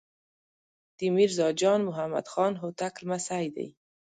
د میرزا جان محمد خان هوتک لمسی دی.